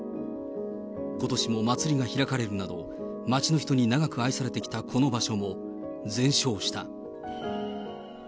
ことしも祭りが開かれるなど、街の人に長く愛されてきたこの場所も全焼した。